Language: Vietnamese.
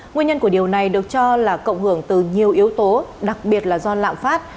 nguyên nhân của điều này được cho là cộng hưởng từ nhiều yếu tố đặc biệt là do lạm phát